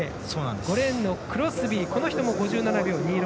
５レーンのクロスビー５７秒２６。